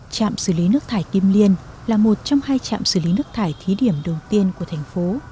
trạm xử lý nước thải kim liên là một trong hai trạm xử lý nước thải thí điểm đầu tiên của thành phố